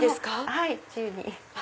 はい自由に。